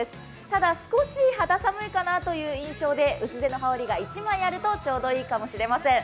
ただ、少し肌寒いかなという印象で薄手の羽織が１枚あるとちょうどいいかもしれません。